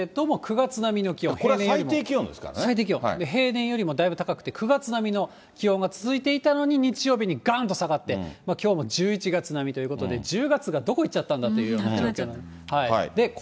平年よりもだいぶ高くて９月並みの気温が続いていたのに、日曜日にがんと下がって、きょうも１１月並みということで、１０月がどこ行っちゃたんだという感じ。